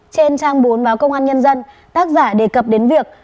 trên trang bốn báo công an nhân dân tác giả đề cập đến việc